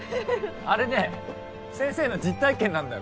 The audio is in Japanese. あれね先生の実体験なんだよ